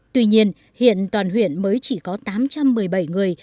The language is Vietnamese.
tuy nhiên hiện toàn huyện mới chỉ có tám trăm một mươi bảy người